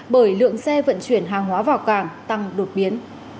bởi lượng xe vận chuyển hàng hóa vào cảng tăng đột biến